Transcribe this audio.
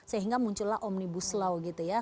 sehingga muncullah omnibus law gitu ya